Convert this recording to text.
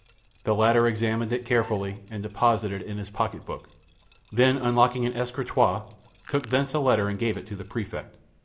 The latter examined it carefully and deposited it in his pocket book; then, unlocking an escritoire, took thence a letter and gave it to the Prefect.